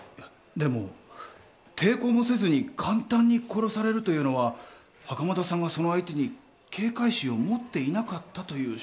でも抵抗もせずに簡単に殺されるというのは袴田さんがその相手に警戒心を持っていなかったという証拠じゃないでしょうか？